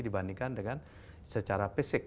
dibandingkan dengan secara fisik